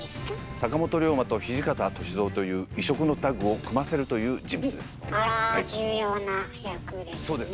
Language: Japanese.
坂本龍馬と土方歳三という異色のタッグを組ませるという人物です。